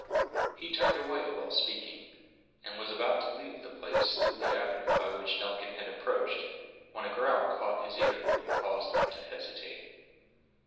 He turned away while speaking, and was about to leave the place through the avenue by which Duncan had approached, when a growl caught his ear, and caused him to hesitate.